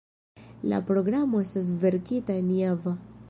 La programo estas verkita en Java.